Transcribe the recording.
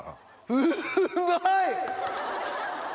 うまい！